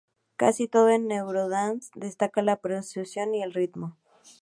Casi todo el eurodance destaca la percusión y el ritmo.